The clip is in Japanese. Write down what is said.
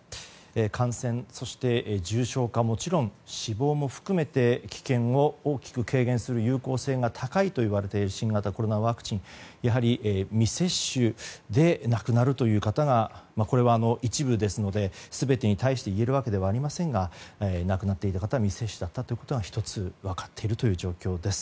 感染、そして重症化はもちろん死亡も含めて危険を大きく軽減する有効性が高いといわれている新型コロナワクチンやはり未接種で亡くなる方が一部ですので、全てに対して言えるわけではありませんが亡くなっている方は未接種だったということが１つ分かっている状況です。